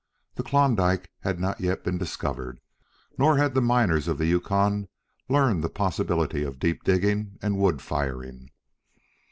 The Klondike had not yet been discovered, nor had the miners of the Yukon learned the possibilities of deep digging and wood firing.